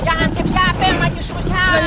yang hansip siapa yang maju susah